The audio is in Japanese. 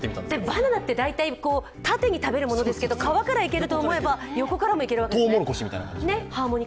バナナって大体、縦に食べるものだと思うんですけど、皮からいけると思えば横からもいけるわけですね。